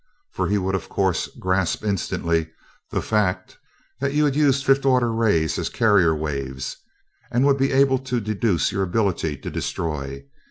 For he would of course grasp instantly the fact that you had used fifth order rays as carrier waves, and would be able to deduce your ability to destroy.